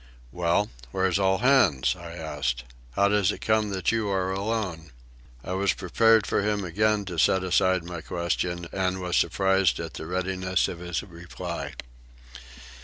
"Well, where's all hands?" I asked. "How does it come that you are alone?" I was prepared for him again to set aside my question, and was surprised at the readiness of his reply.